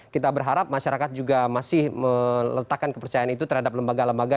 kita berharap masyarakat juga masih meletakkan kepercayaan itu terhadap lembaga lembaga